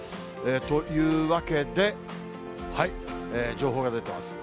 というわけで、情報が出てます。